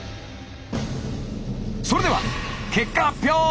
それでは結果発表！